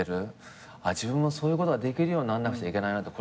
自分もそういうことができるようになんなくちゃいけないなとこれから。